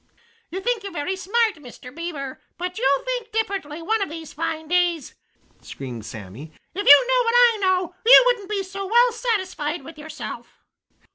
"You think you are very smart, Mr. Beaver, but you'll think differently one of these fine days!" screamed Sammy. "If you knew what I know, you wouldn't be so well satisfied with yourself."